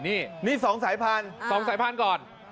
นี่๒สายพัน